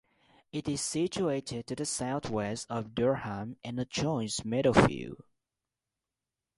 It is situated to the south-west of Durham and adjoins Meadowfield.